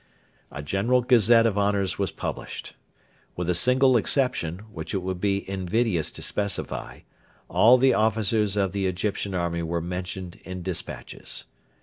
A generous gazette of honours was published. With a single exception, which it would be invidious to specify, all the officers of the Egyptian army were mentioned in despatches.